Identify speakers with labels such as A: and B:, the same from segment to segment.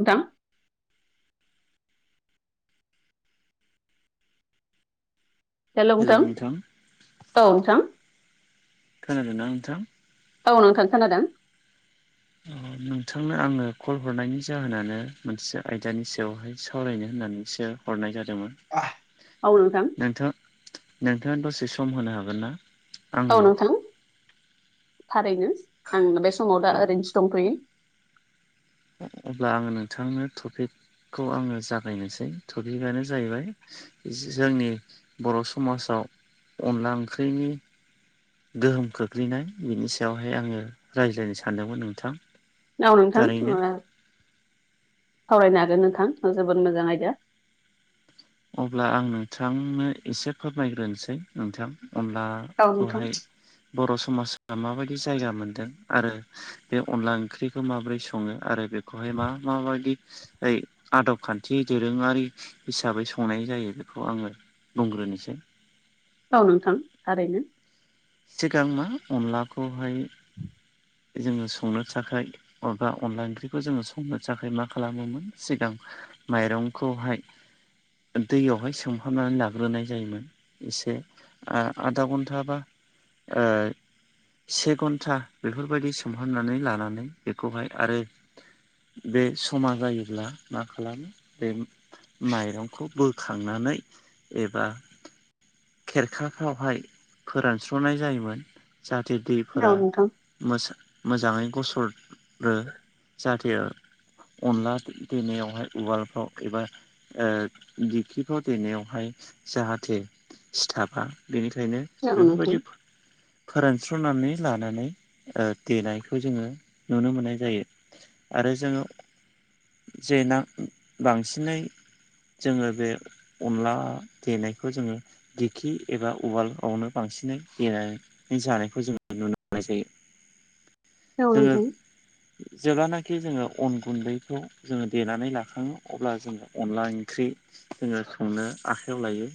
A: नोंथां
B: [inaudible]
A: हेलो नोंथां औ नोंथां
B: खोनादों ना नोंथां
A: औ नोंथां खोनादों
B: नोंथांनो आङो कल हरनायनि जाहोनानो मोनसे आयदानि सायावहाय सावरायनो होननानैसो हरनाय जादोंमोन
A: औ नोंथां
B: नोंथां नोंथाङा दसे सम होनो हागोन ना
A: औ
B: आंनो
A: नोंथां थारैनो आं बे समाव दा ओरैनोसो दंथ'यो
B: अब्ला आङो नोंथांनो टपिकखौ आङो जागायनोसै टपिकआनो जाहैबाय जोंनि बर' समाजाव अनला ओंख्रिनि गोहोम खोख्लैनाय बिनि सायावहाय आङो रायज्लायनो सानदोंमोन नोंथां
A: औ नोंथां
B: थारैनो
A: सावरायनो हागोन नोंथां जोबोद मोजां आयदा
B: अब्ला आं नोंथांनो एसे फोरमायग्रोनोसै नोंथां अब्ला
A: औ नोंथां
B: खौहाय बर' समाजा माबायदि जायगा मोनदों आरो बे अनला ओंख्रिखौ माबोरै सङो आरो बेखौहाय मा माबायदि ओ आदब खान्थि दोरोङारि हिसाबै संनाय जायो बेखौ आङो बुंग्रोनोसै
A: औ नोंथां थारैनो
B: सिगां मा अनलाखौहाय जोङो संनो थाखाय अबा अनला ओंख्रिखौ जोङो संनो थाखाय मा खालामोमोन सिगां माइरंखौहाय दैयावहाय सोंहाबनानै लाग्रोनाय जायोमोन एसे आधा घन्टा बा ओ से घन्टा बेफोरबायदि सोमहरनानै लानानै बेखौहाय आरो बे समा जायोब्ला मा खालामो बे माइरंखौ बोखांनानै एबा खेरखाफ्रावहाय फोरानस्र'नाय जायोमोन जाहाथे दैफोरा
A: औ नोंथां
B: मो मोजाङै गसरो जाहाथे अनला देनायावहाय उवालफ्राव एबा दिखिफ्राव देनायावहाय जाहाथे सिथाबा बेनिखायनो
A: औ नोंथां
B: बेफोरबायदि फोरानस्र'नानै लानानै देनायखौ जोङो नुनो मोननाय जायो आरो जोङो जे ना बांसिनै जोङो बे अनला देनायखौ जोङो दिखि एबा उवालावनो बांसिनै गेनानै जानायखौ जों नुनो मोननाय
A: औ
B: जायो जोंङो
A: नोंथां
B: जेब्लानाखि जोङो अन गुन्दैखौ जोङो देनानै लाखाङो अब्ला जोङो अनला ओंख्रि जोङो संनो आखायाव लायो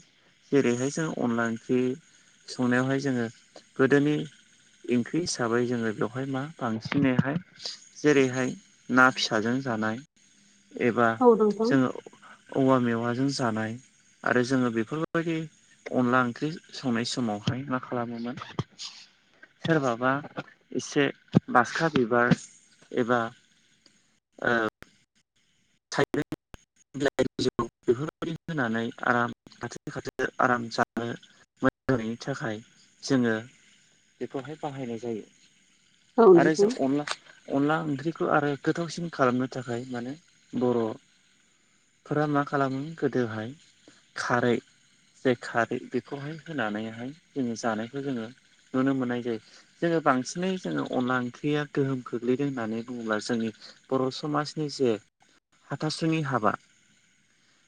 B: जेरैहाय जों अनला ओंख्रि संनायावहाय जोङो गोदोनि ओंख्रि हिसाबै जोङो बेवहाय मा बांसिनैहाय जेरैहाय ना फिसाजों जानाय एबा
A: औ नोंथां
B: जोङो औवा मेवाजों जानाय आरो जोङो बेफोरबाय बेफोरबायदि अनला ओंख्रि संनाय समावहाय मा खालामोमोन सोरबाबा एसे बासखा बिबार एबा ओ [unintelligible] बेफोरबायदि होनानै आराम खाथिखाथो आराम जानो [unintelligible] मोजांनि [unintelligible] थाखाय जोङो बेखौहाय बाहायनाय जायो।
A: औ नोंथां औ
B: आरो
A: नोंथां
B: जों अनला अनला ओंख्रिखौ आरो गोथावसिन खालामनो थाखाय मानो बर'फोरा मा खालामो गोदोहाय खारै जाय खारै बेखौहाय होनानैहाय जोङो जानायखौ जोङो नुनो मोननाय जायो। जोङो बांसिनै जोङो अनला ओंख्रिया गोहोम खोख्लैदों होननानै बुङोब्ला जोंनि बर' समाजनि जे हाथासुनि हाबा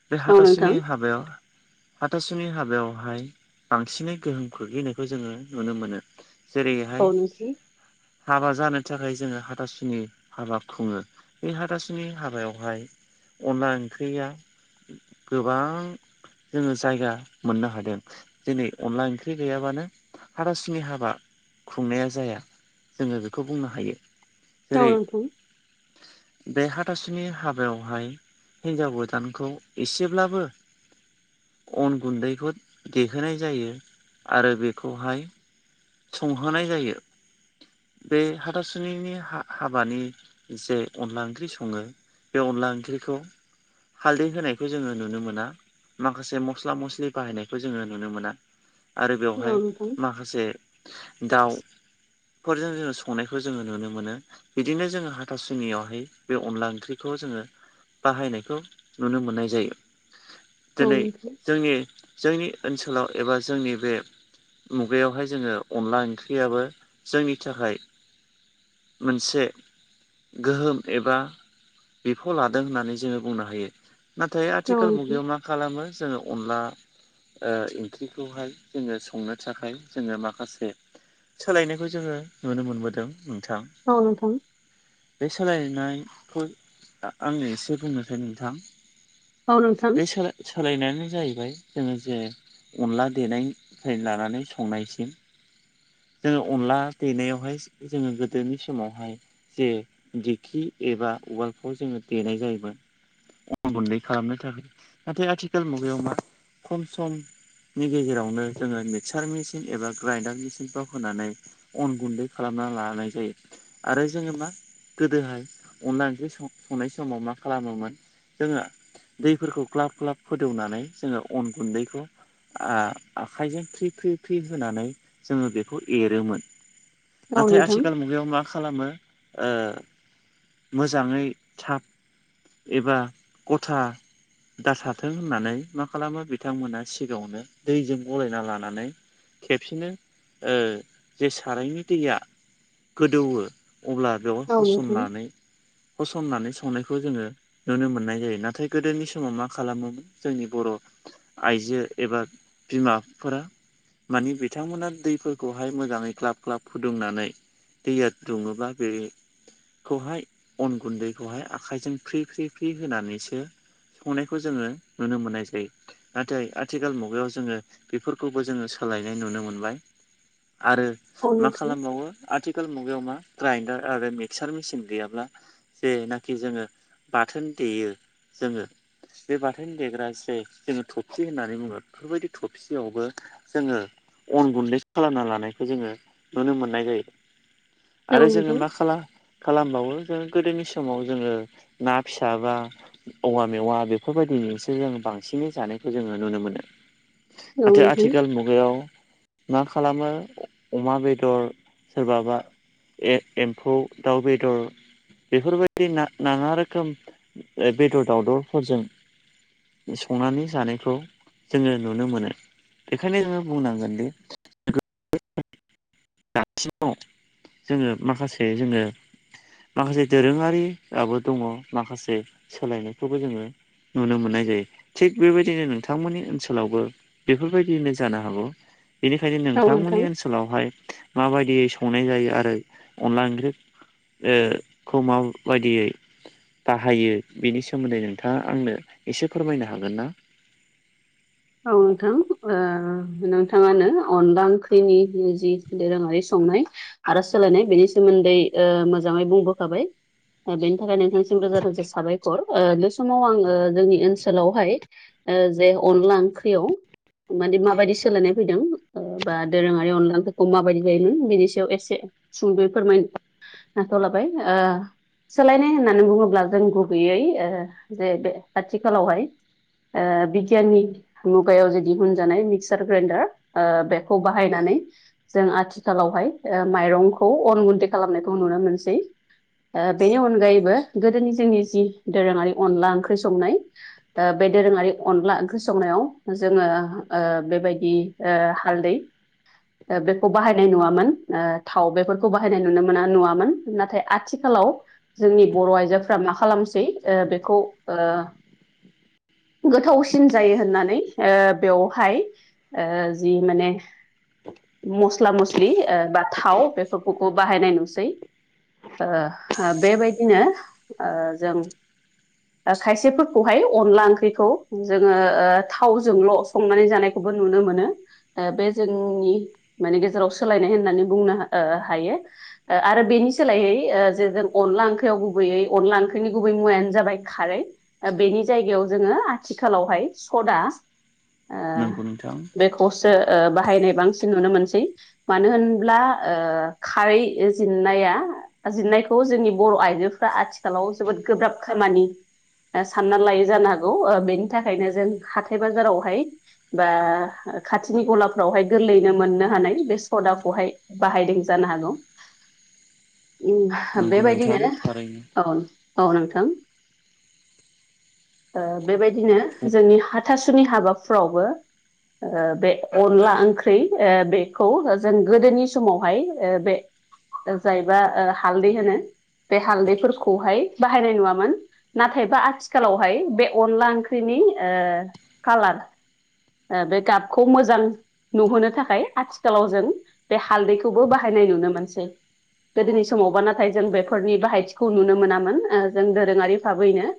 B: बे
A: औ नोंथां
B: हाथासुनि हाबायाव हाथासुनि हाबायावहाय बांसिनै गोहोम खोलैनायखौ जोङो नुनो मोनो। जेरैहाय
A: औ
B: हाबा जानो थाखाय जोङो हाथासुनि हाबा खुङो बे हाथासुनि हाबायावहाय अनला ओंख्रिया गोबां जोङो जायगा मोननो हादों दिनै अनला ओंख्रि गैयाबानो हाबाासुनि हाबा खुंनाया जाया जोङो बेखौ बुंनो हायो। जेरै
A: नोंथां
B: बेहा हाथासुनि हाबायावहाय हिनजाव गोदानखौ एसेब्लाबो अन गुन्दैखौ देहोनाय जायो आरो बेखौहाय संहोनाय जायो बे हाथासुनिनि हा हाबानि जे अनला ओंख्रि सङो बे अनला ओंख्रिखौ हालदै होनायखौ जोङो नुनो मोना। माखासे मस्ला मस्लि बाहायनायखौ जोङो नुनो मोना आरो बेवहाय माखासे दाउफोरजों जोङो संनायखौ जोङो नुनो मोनो। बिदिनो जोङो हाथासुनियावहाय बे अनला ओंख्रिखौ जोङो बाहायनायखौ नुनो मोननाय जायो
A: औ नोंथां औ
B: दिनै
A: नोंथां
B: जोंनि जोंनि ओनसोलाव एबा जोंनि बे मुगायावहाय जोङो अनला ओंख्रियाबो जोंनि थाखाय मोनसे गोहोम एबा बिफाव लादों होननानै जोङो बुंनो हायो नाथाय
A: औ नोंथां औ
B: आथिखाल
A: नोंथां
B: मुगायाव मा खालामो जोङो अनला ओ ओंख्रिखौहाय जोङो संनो थाखाय जोङो माखासे सोलायनायखौ जोङो नुनो मोनबोदों नोंथां।
A: औ नोंथां
B: बे सोलायनायखौ आं एसे बुंनोखै नोंथां।
A: औ नोंथां औ नोंथां औ नोंथां
B: बे सोलाय सोलायनायानो जाहैबाय जोङो जे अनला देनायनिफ्राय लानानै संनायसिम जोङो अनला देनायावहाय जोङो गोदोनि समावहाय जे दिंखि एबा उवालखौ जोङो देनाय जायोमोन। अन गुन्दै खालामनो थाखाय नाथाय आथिखाल मुगायाव मा खम सम नि गेजेरावनो जोङो मिक्सार मेचिन एबा ग्राइडार मेचिनफ्राव होनानै अन गुन्दै खालामना लानाय जायो आरो जोङो मा गोदोहाय अनला ओंख्रि संनाय समाव मा खालामोमोन जोङो दैफोरखौ ग्लाब ग्लाब गोदौनानै जोङो अन गुन्दैखौ आं आखाइजों फ्रि फ्रि फ्रि होनानै जोङो बे खौ एरोमोन नाथाय आथिखाल मुगायाव मा खालामो ओ मोजाङै थाब एबा गथा दासाथों होननानै मा खालामो बिथांमोना सिगाङावनो दैजों गलायना लानानै खेबसेनो जे सारायनि दैया गोदौवो अब्ला बेयाव होसननानै
A: औ
B: होसननानै संनायखौ जोङो नुनो मोननाय जायो नाथाय गोदोनि समाव मा खालामोमोन जोंनि बर' आइजो एबा बिमाफोरा मानि बिथांमोना दै फोरखौहाय मोजाङै ख्लाब ख्लाब फुदुंनानै दैया दुङोब्ला बे खौहाय अन गुन्दैखौहाय आखाइजों फ्रि फ्रि फ्रि होनानैसो संनायखौ जोङो नुनो मोननाय जायो नाथाय आथिखाल मुगायाव जोङो बेफोरखौबो जोङो सोलायनाय नुनो मोनबाय आरो मा खालामबावो आथिखाल मुगायाव मा ग्राइडार आरो मिक्सार मेसिन गैयाब्ला जेनाखि जोङो बाथोन देयो जोङो बे बाथाय देग्रा जे जोङो थफसि होननानै बुङो बेफोरबायदि थबसियावबो जोङो अन गुन्दै खालामना लानायखौ जोङो नुनो मोननाय जायो आरो जोङो
A: नोंथां
B: मा खालाम खालामबावो जों गोदोनि समाव जोङो ना फिसाबा औवा मेवा बेफोरबायदिजोंसो जों बांसिनै जानायखौ जोङो नुनो मोनो
A: औ
B: नाथाय
A: नोंथां
B: आथिखाल मुगायाव मा खालामो अमा बेदर सोरबाबा ए एम्फौ दाउ बेदर बेफोरबायदि नाङा रोखोम बेदर दावदरफोरजों संनानै जानायखौ जोङो नुनो मोनो बेखायनो जोङो बुंनांगोनदि दासिमाव जोङो माखासे जोङो माखासे दोरोङारिआबो दङ माखासे सोलायनायबो जोङो नुनो मोननाय जायो थिग बेबायदिनो नोंथांमोननि ओनसोलावबो बेफोरबायदियैनो जानो हागौ बेनिखायनो
A: औ नोंथां
B: नोंथांमोननि ओनसोलावहाय माबायदियै संनाय जायो आरो अनला ओंख्रि खमाव बेबायदियै बाहायो बेनि सोमोन्दै नोंथाङा आंनो एसे फोरमायनो हागोन ना
A: औ नोंथां ओ नोंथाङानो अनला ओंख्रिनि जि दोरोङारि संनाय आरो सोलायनाय बेनि सोमोन्दै मोजाङै बुंबोखाबाय बेनि थाखाय नोंथांसिम रोजा रोजा साबायखर ओ समाव आङो जोंनि ओनसोलावहाय जे अनला ओंख्रियाव माने माबायदि सोलायनाय फैदों बा दोरोङारि अनलाफोरखौ माबायदि जायोमोन बेनि सायाव एसे सुंदयै फोरमाय नोंथ'लाबाय सोलायनाय होननानै बुङोब्ला जों गुबैयै जे बे आथिखालावहाय बिगियाननि मुगायाव जे दिहुनजानाय मिक्सार ग्राइन्डार बेखौ बाहायनानै जों आथिखालावहाय माइरंखौ अन गुन्दै खालामनायखौ नुनो मोनसै बेनि अनगायैबो गोदोनि जोंनि जि दोरोङारि अनला ओंख्रि संनाय दा बे दोरोङारि अनला ओंख्रि संनायाव जोङो बेबायदि हालदै बेखौ बाहायनाय नुवामोन थाव बेफोरखौ बाहायनाय नुनो मोना नुवामोन नाथाय आथिखालाव जोंनि बर' आइजोफोरा मा खालामसै बेखौ गोथावसिन जायो होननानै बेवहाय जि माने मस्ला मस्लि बा थाव बेफोरखौ बाहायनाय नुसै बेबायदिनो जों खायसेफोरखौहाय अनला ओंख्रिखौ जोङो ओ थावजोंल' संनानै जानायखौबो नुनो मोनो ओ बे जोंनि माने गेजेराव सोलायनाय होननानै बुंनो ओ हायो। ओ आरो बेनि सोलायै ओ जे जों अनला ओंख्रियाव गुबैयै अनला ओंख्रिनि गुबै मुवायानो जाबाय खारै ओ बेनि जायगायाव जोङो आथिखालावहाय सदा ओ
B: नंगौ नोंथां
A: बेखौ खौसो ओ बाहायनाय बांसिन नुनो मोनसै। मानो होनब्ला ओ खारै जिननाया जिरनायखौ जोंनि बर' आइजोफ्रा आथिखालाव जोबोद गोब्राब खामानि ओ साननानै लायै जानो हागौ ओ बेनि थाखायनो जों हाथाय बाजारावहाय बा ओ खाथिनि गलाफ्रावहाय गोरलैयैनो मोननो हानाय बे सदाखौहाय बाहायदों जानो हागौ।
B: [inaudible]
A: उम
B: नंगौ नोंथां
A: बेबायदिनो
B: थारैनो
A: औ औ नोंथां ओ बेबायदिनो जोंनि हारि हाथासुनि हाबाफ्रावबो ओ बे अनला ओंख्रि ओ बेखौ जों गोदोनि समावहाय ओ बे ओ जायबा ओ हालदै होनो बे हालदैफोरखौहाय बाहायनाय नुवामोन। नाथायबा आथिखालावहाय बे अनला ओंख्रिनि ओ कालार ओ बे गाबखौ मोजां नुहोनो थाखाय आथिखालाव जों बे हालदैखौबो बाहायनाय नुनो मोनसै। गोदोनि समावबा नाथाय जों बेफोरनि बाहायथिखौ नुनो मोनामोन ओ जों दोरोङारि भाबैनो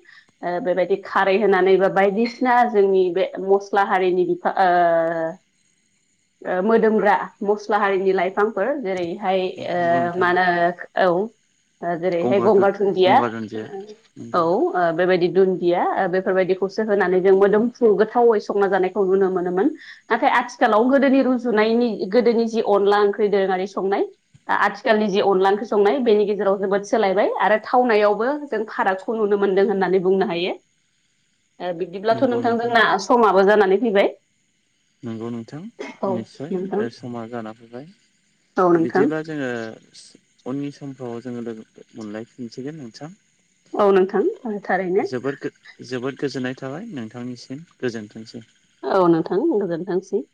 A: ओ बेबायदि खारै होनानै बा बायदिसिना जोंनि बे मस्ला हारिनि बिफा ओ ओ मोदोमग्रा मस्ला हारिनि लाइफांफोर जेरै हाय
B: नंगौ
A: ओ मा
B: नोंथां
A: होनो औ ओ जेरैहाय
B: दुन
A: गंगार धुन्दिया
B: गंगार दुन्दिया
A: औ
B: नंगौ
A: ओ बेबायदि दुन्दिया ओ बेफोरबायदिखौसो होनानै जों मोदोम फ्रु गोथावै संना जानायखौ नुनो मोनोमोन। नाथाय आथिखालाव गोदोनि रुजुनायनि गोदोनि जि अनला ओंख्रि दोरोङारि संनाय आथिखालनि जि अनला ओंख्रि संनाय बेनि गेजेराव जोबोद सोलायबाय आरो थावनायावबो जों फाराग खौ नुनो मोनदों होननानै बुंनो हायो।
B: [inaudible]
A: ओ बिब्दिब्लाथ' नोंथां जोंना समाबो जानानै फैबाय
B: नंगौ नोंथां
A: औ
B: निस्सय
A: नोंथां
B: ओ समा जाना फैबाय
A: औ नोंथां
B: बिदिब्ला जोङो उननि समफ्राव जोङो लोगो मोनलायफिनसिगोन नोंथां।
A: औ नोंथां थारैनो
B: जोबोर गो जोबोद गोजोननाय थाबाय नोंथांनिसिम गोजोनथोंसै।
A: औ नोंथां गोजोनथोंसै।